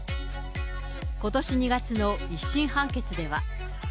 ことし２月の１審判決では。